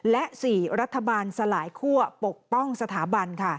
และ๔รัฐบาลสลายคั่วปกป้องสถาบัน